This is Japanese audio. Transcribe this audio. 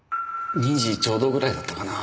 ２時ちょうどぐらいだったかな。